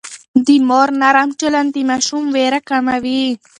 د مور نرم چلند د ماشوم وېره کموي.